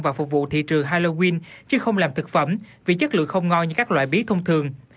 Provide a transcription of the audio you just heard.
và phục vụ thị trường halloween chứ không làm thực phẩm vì chất lượng không ngon như các loại bí thông thường